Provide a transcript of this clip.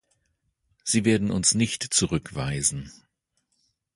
Sie werden uns nicht zurückweisen.